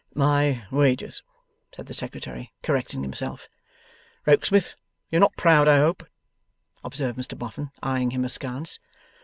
'My wages,' said the Secretary, correcting himself. 'Rokesmith, you are not proud, I hope?' observed Mr Boffin, eyeing him askance.